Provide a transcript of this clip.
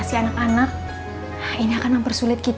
iya tidak apa apa tuti